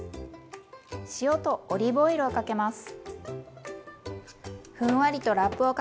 塩とオリーブオイルをかけます。